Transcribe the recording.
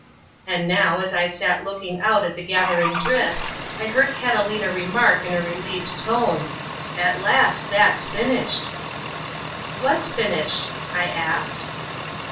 And now, as I sat looking out at the gathering drifts, I heard Catalina remark in a relieved tone, "At last that's finished!" "What's finished?" I asked.